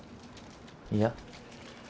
いや。